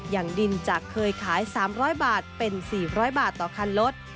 อย่างดินจากเคยขาย๓๐๐บาทเป็น๔๐๐บาทต่อคันรถ